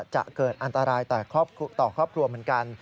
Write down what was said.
จะเกิดอันตรายต่อครอบครัวเหมือนกัน